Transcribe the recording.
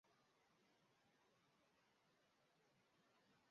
Novo Horizonte do Sul